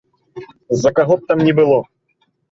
З-за каго б там ні было.